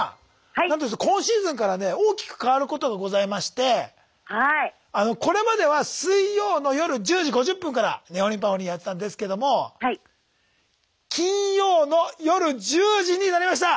なんと今シーズンからね大きく変わることがございましてこれまでは水曜の夜１０時５０分から「ねほりんぱほりん」やってたんですけども金曜の夜１０時になりました！